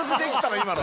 今の。